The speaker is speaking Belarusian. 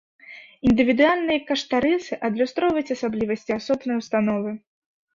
Індывідуальныя каштарысы адлюстроўваюць асаблівасці асобнай установы.